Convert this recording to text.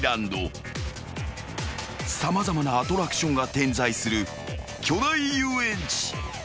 ［様々なアトラクションが点在する巨大遊園地］